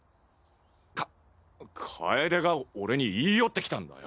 かっ楓が俺に言い寄ってきたんだよ！